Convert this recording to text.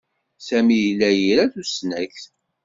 Sami yella ira tusnakt.